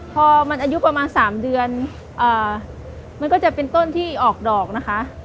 พอมันอายุประมาณ๓เดือนมันก็จะเป็นต้นที่ออกดอกนะคะ